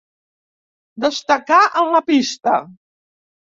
Destacà en la pista.